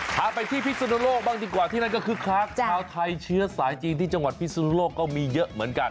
พาไปที่พิสุนโลกบ้างดีกว่าที่นั่นก็คึกคักชาวไทยเชื้อสายจีนที่จังหวัดพิศนุโลกก็มีเยอะเหมือนกัน